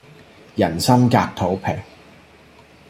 人心隔肚皮